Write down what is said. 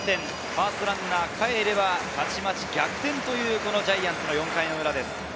ファーストランナー代えれば、たちまち逆転というジャイアンツの４回裏です。